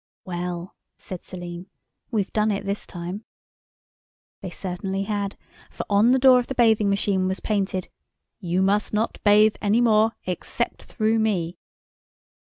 "Well," said Selim, "we've done it this time." They certainly had, for on the door of the bathing machine was painted: "You must not bathe any more except through me."